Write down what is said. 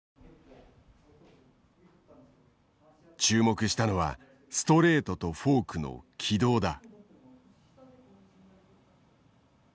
注目したのはストレートとフォークの軌道だ。